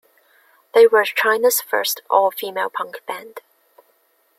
They were China's first all-female punk band.